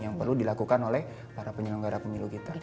yang perlu dilakukan oleh para penyelenggara pemilu kita